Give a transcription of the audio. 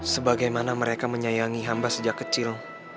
sebagaimana mereka menyayangi hamba sejak kecil